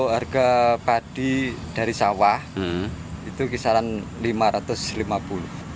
harga padi dari sawah itu kisaran rp lima ratus lima puluh